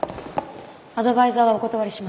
アドバイザーはお断りします。